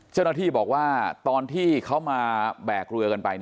เจ้าหน้าที่บอกว่าตอนที่เขามาแบกเรือกันไป